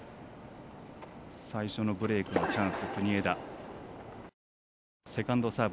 最初のブレークのチャンス国枝。